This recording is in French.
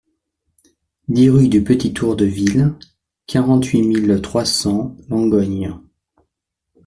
dix rue du Petit Tour de Ville, quarante-huit mille trois cents Langogne